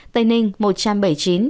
tây ninh một trăm bảy mươi chín